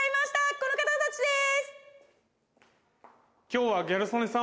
この方たちです！